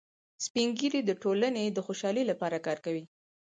سپین ږیری د ټولنې د خوشحالۍ لپاره کار کوي